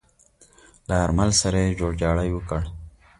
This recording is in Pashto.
له آرمل سره يې جوړجاړی وکړ.